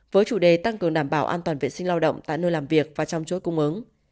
với chủ đề tăng cường đảm bảo an toàn vệ sinh lao động tại nơi làm việc và trong chuỗi cung ứng